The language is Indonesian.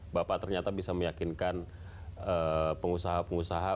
bapak ternyata bisa meyakinkan pengusaha pengusaha